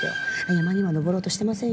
「山には登ろうとしてません